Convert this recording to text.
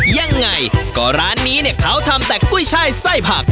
ยังไงก็ร้านนี้เนี่ยเขาทำแต่กุ้ยช่ายไส้ผัก